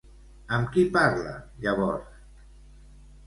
Amb qui parla llavors?